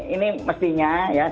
ini mestinya ya